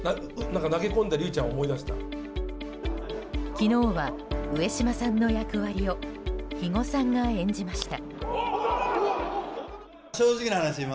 昨日は上島さんの役割を肥後さんが演じました。